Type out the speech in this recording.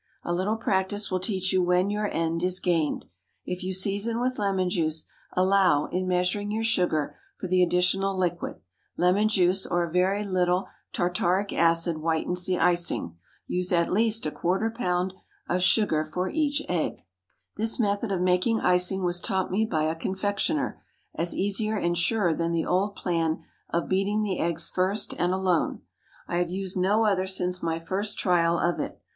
A little practice will teach you when your end is gained. If you season with lemon juice, allow, in measuring your sugar, for the additional liquid. Lemon juice or a very little tartaric acid whitens the icing. Use at least a quarter of a pound of sugar for each egg. This method of making icing was taught me by a confectioner, as easier and surer than the old plan of beating the eggs first and alone. I have used no other since my first trial of it.